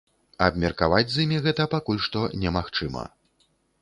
Абмеркаваць з імі гэта пакуль што немагчыма.